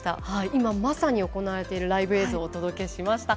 今まさに行われているライブ映像をお届けしました。